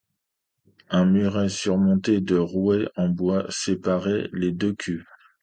Un muret surmonté de rouets en bois sépare les deux cuves.